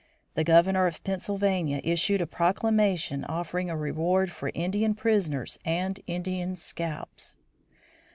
The Governor of Pennsylvania issued a proclamation offering a reward for Indian prisoners and Indian scalps.